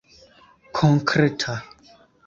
konkreta